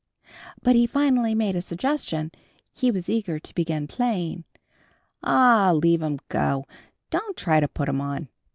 But he finally made a suggestion. He was eager to begin playing. "Aw, leave 'm go. Don't try to put 'em on."